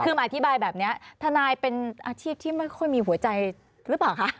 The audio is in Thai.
คือมาอธิบายแบบนี้ทนายเป็นอาชีพที่ไม่ค่อยมีหัวใจหรือเปล่าคะ